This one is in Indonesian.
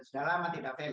sudah lama tidak valid